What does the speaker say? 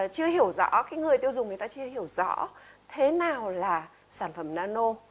chưa hiểu rõ cái người tiêu dùng người ta chưa hiểu rõ thế nào là sản phẩm nano